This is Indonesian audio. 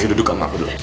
ayo duduk sama aku dulu